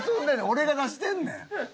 俺が出してんねん。